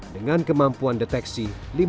dengan kemampuan deteksi